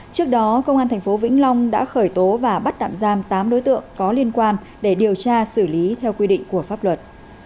trước đó công an tp vĩnh long đã khởi tố và bắt tạm giam tám đối tượng có liên quan để điều tra xử lý theo quy định của pháp luật